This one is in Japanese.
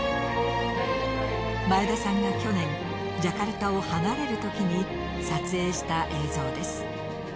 前田さんが去年ジャカルタを離れる時に撮影した映像です。